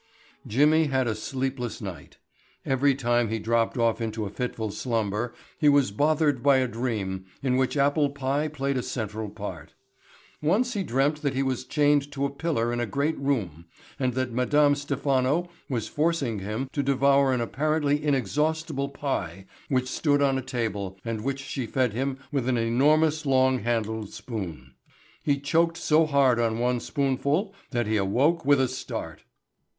Jimmy had a sleepless night. Every time he dropped off into a fitful slumber he was bothered by a dream in which apple pie played a central part. Once he dreamt that he was chained to a pillar in a great room and that Madame Stephano was forcing him to devour an apparently inexhaustible pie which stood on a table and which she fed him with an enormous long handled spoon. He choked so hard on one spoonful that he awoke with a start.